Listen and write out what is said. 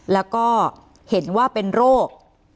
แล้วก็เห็นว่าเป็นโรค